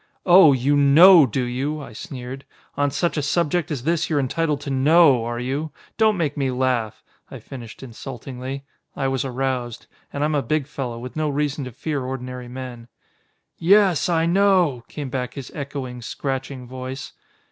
"Oh! You know, do you?" I sneered. "On such a subject as this you're entitled to know, are you? Don't make me laugh!" I finished insultingly. I was aroused. And I'm a big fellow, with no reason to fear ordinary men. "Yes, I know!" came back his echoing, scratching voice.